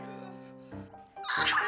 diam coba bapak